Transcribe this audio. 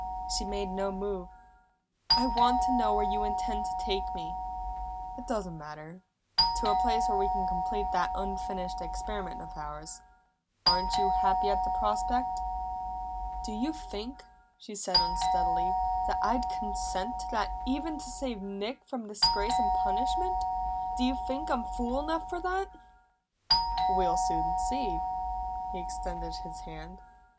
She made no move. "I want to know where you intend to take me." "It doesn't matter. To a place where we can complete that unfinished experiment of ours. Aren't you happy at the prospect?" "Do you think," she said unsteadily, "that I'd consent to that even to save Nick from disgrace and punishment? Do you think I'm fool enough for that?" "We'll soon see." He extended his hand.